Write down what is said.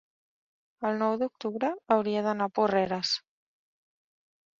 El nou d'octubre hauria d'anar a Porreres.